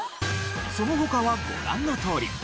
その他はご覧のとおり。